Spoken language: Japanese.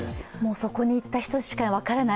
そこに行った人しか分からない